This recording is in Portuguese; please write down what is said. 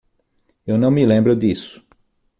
Eu não me lembro disso.